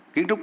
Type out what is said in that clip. kiến trúc nhở